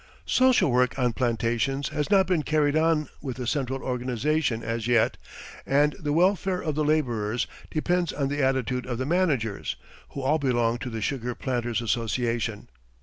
Social work on plantations has not been carried on with a central organization as yet, and the welfare of the labourers depends on the attitude of the managers, who all belong to the Sugar Planters' Association.